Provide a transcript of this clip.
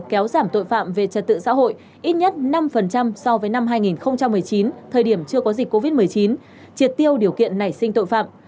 kéo giảm tội phạm về trật tự xã hội ít nhất năm so với năm hai nghìn một mươi chín thời điểm chưa có dịch covid một mươi chín triệt tiêu điều kiện nảy sinh tội phạm